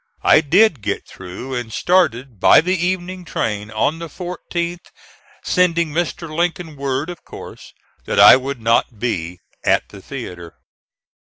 I did get through and started by the evening train on the 14th, sending Mr. Lincoln word, of course, that I would not be at the theatre.